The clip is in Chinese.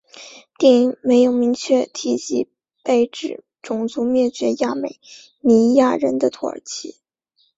电影没有明确提及被指种族灭绝亚美尼亚人的土耳其。